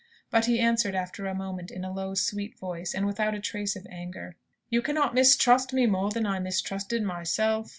But he answered after a moment in a low, sweet voice, and without a trace of anger, "You cannot mistrust me more than I mistrusted myself.